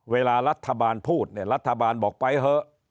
เวลารัฐบาลพูดเนี่ยรัฐบาลบอกไปเถอะ